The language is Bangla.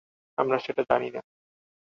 আমরা সেটা জানি না।